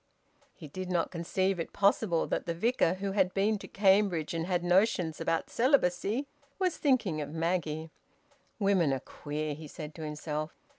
He did not conceive it possible that the Vicar, who had been to Cambridge and had notions about celibacy, was thinking of Maggie. "Women are queer," he said to himself.